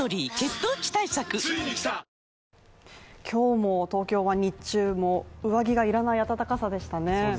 今日も東京は日中も上着がいらない暖かさでしたね。